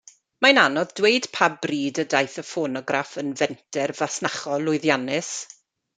Mae'n anodd dweud pa bryd y daeth y ffonograff yn fenter fasnachol lwyddiannus.